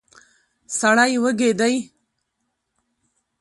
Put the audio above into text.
سړی وږی دی.